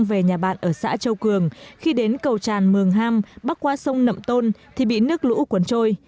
về nhà bạn ở xã châu cường khi đến cầu tràn mường ham bắc qua sông nậm tôn thì bị nước lũ cuốn trôi